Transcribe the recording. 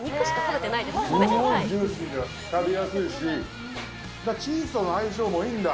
すごいジューシーで食べやすいし、だからチーズとの相性もいいんだ。